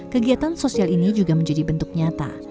kegiatan sosial ini juga menjadi bentuk nyata